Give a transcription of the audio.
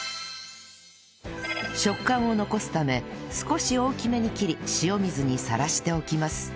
食感を残すため少し大きめに切り塩水にさらしておきます